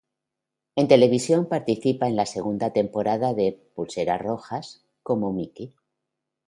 En televisión participa en la segunda temporada de "Pulseras rojas" como Miki.